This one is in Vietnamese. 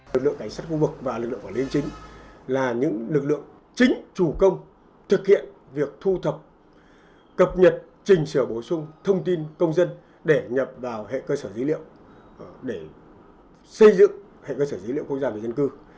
lực lượng cảnh sát khu vực và lực lượng quản lý chính là những lực lượng chính chủ công thực hiện việc thu thập cập nhật trình sửa bổ sung thông tin công dân để nhập vào hệ cơ sở dữ liệu để xây dựng hệ cơ sở dữ liệu quốc gia về dân cư